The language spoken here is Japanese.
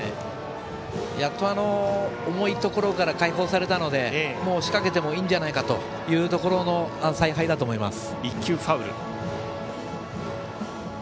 やっと重いところから解放されたので仕掛けてもいいんじゃないかというところの采配だと思います。